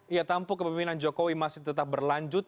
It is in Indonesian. ya tampuk kepemimpinan jokowi masih tetap berlanjut